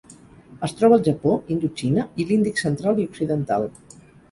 Es troba al Japó, Indoxina i l'Índic central i occidental.